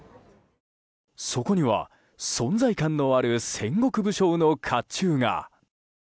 そこには、存在感のある戦国武将の甲冑が。